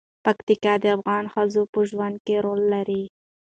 پکتیکا د افغان ښځو په ژوند کې رول لري.